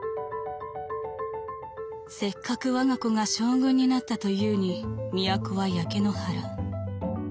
「せっかく我が子が将軍になったというに都は焼け野原。